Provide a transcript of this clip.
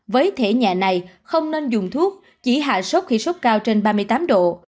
với thể nhà này không nên dùng thuốc chỉ hạ sốt khi sốt cao trên ba mươi tám độ